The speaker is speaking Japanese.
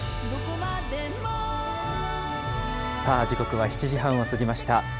時刻は７時半を過ぎました。